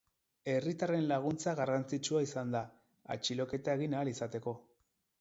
Herritarren laguntza garrantzitsua izan da, atxiloketa egin ahal izateko.